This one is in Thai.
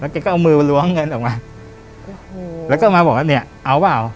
แกก็เอามือมาล้วงเงินออกมาแล้วก็มาบอกว่าเนี่ยเอาเปล่า